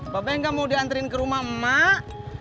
peh gak mau diantriin ke rumah emak